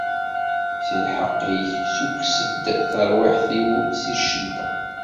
S lḥeqq-ik, ssukkes-d tarwiḥt-iw si ccedda.